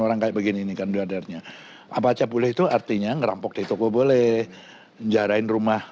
orang kayak begini ini kan dadarnya apa aja boleh itu artinya ngerampok di toko boleh menjarahin rumah